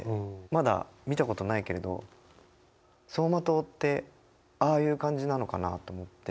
まだ見たことないけれど走馬灯ってああいう感じなのかなと思って。